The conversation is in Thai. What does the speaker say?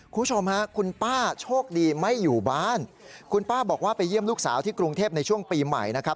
คุณผู้ชมฮะคุณป้าโชคดีไม่อยู่บ้านคุณป้าบอกว่าไปเยี่ยมลูกสาวที่กรุงเทพในช่วงปีใหม่นะครับ